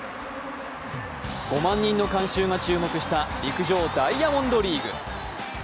５万人の観衆が注目した陸上・ダイヤモンドリーグ。